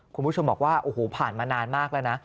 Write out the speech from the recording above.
คุณผู้ชมบอกว่าโอ้โหผ่านมานานมากแล้วนะ